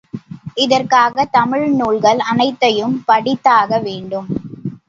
இதற்காகத் தமிழ் நூல்கள் அனைத்தையும் படித்தாக வேண்டும்.